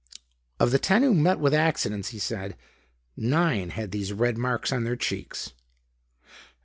"Of the ten who met with accidents," he said, "nine had these red marks on their cheeks."